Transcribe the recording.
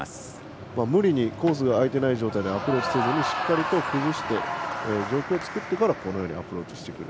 無理にコースが空いていない状態でアプローチせずにしっかりと崩して状況を作ってからアプローチしてくる。